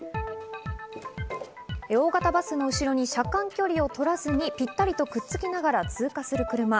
大型バスの後ろに車間距離を取らずにぴったりとくっつきながら通過する車。